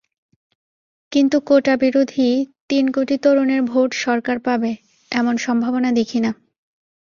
কিন্তু কোটাবিরোধী তিন কোটি তরুণের ভোট সরকার পাবে, এমন সম্ভাবনা দেখি না।